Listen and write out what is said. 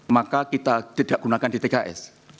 maka kita tidak gunakan dtks